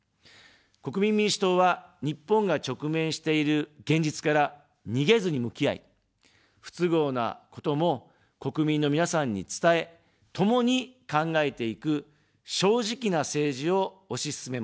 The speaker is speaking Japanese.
国民民主党は、日本が直面している現実から逃げずに向き合い、不都合なことも国民の皆さんに伝え、ともに考えていく、正直な政治を推し進めます。